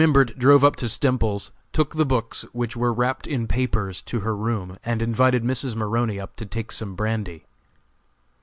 ] Madam Imbert drove up to Stemples's, took the books, which were wrapped in papers, to her room, and invited Mrs. Maroney up to take some brandy.